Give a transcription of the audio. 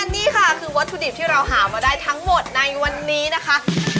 นี่ค่ะคือวัตถุดิบที่เราหามาได้ทั้งหมดในวันนี้นะคะ